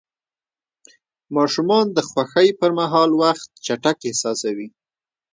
ماشومان د خوښۍ پر مهال وخت چټک احساسوي.